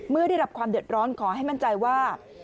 ได้รับความเดือดร้อนขอให้มั่นใจว่า